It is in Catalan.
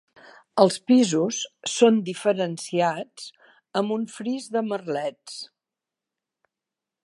Els pisos són diferenciats amb un fris de merlets.